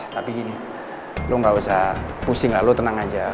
tapi gini lo gak usah pusing lah lo tenang aja